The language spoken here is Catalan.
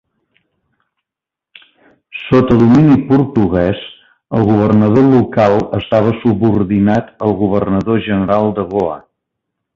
Sota domini portuguès el governador local estava subordinat al governador general de Goa.